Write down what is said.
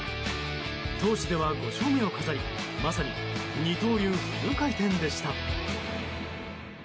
投手では５勝目を飾りまさに二刀流フル回転でした。